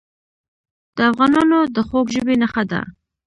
د افغانانو د خوږ ژبۍ نښه ده.